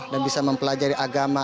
dan bisa mempelajari agama